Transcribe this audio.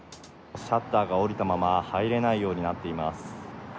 シャッターが下りたまま、入れないようになっています。